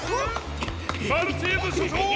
マルチーズしょちょう！